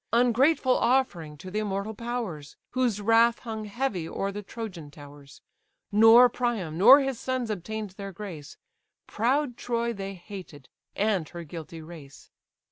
Ungrateful offering to the immortal powers! Whose wrath hung heavy o'er the Trojan towers: Nor Priam nor his sons obtain'd their grace; Proud Troy they hated, and her guilty race.